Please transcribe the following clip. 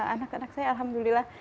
anak anak saya alhamdulillah